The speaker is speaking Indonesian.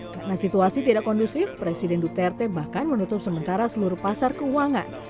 karena situasi tidak kondusif presiden duterte bahkan menutup sementara seluruh pasar keuangan